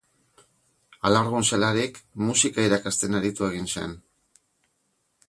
Alargun zelarik, musika irakasten aritu egin zen.